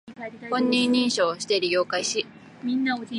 本人認証をして利用開始